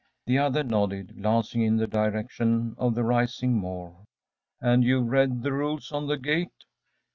The other nodded, glancing in the direction of the rising moor. “And you've read the rules on the gate?